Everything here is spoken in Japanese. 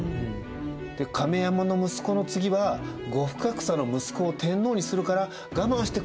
で「亀山の息子の次は後深草の息子を天皇にするから我慢してくださいよ」。